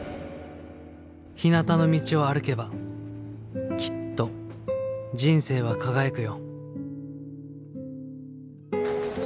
ひなたの道を歩けばきっと人生は輝くよ」。